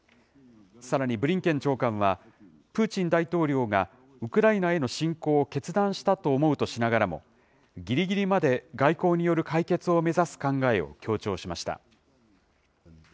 さらにブリンケン長官は、プーチン大統領がウクライナへの侵攻を決断したと思うとしながらも、ぎりぎりまで外交による解決を目指す考えを強調しました。